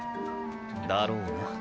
だろうな。